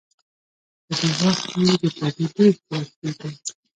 په دې وخت کې د پردې ډېر کلک دود و.